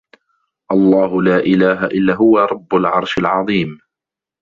اللَّهُ لا إِلهَ إِلّا هُوَ رَبُّ العَرشِ العَظيمِ